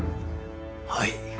はい。